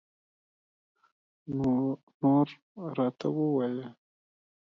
نور راته ووایه